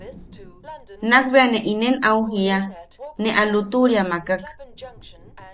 Nakbea ne inen au jiia, ne a lutuʼuria makak.